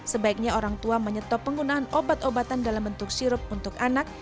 sebaiknya orang tua menyetop penggunaan obat obatan dalam bentuk sirup untuk anak